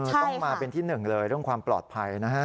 ต้องมาเป็นที่หนึ่งเลยเรื่องความปลอดภัยนะฮะ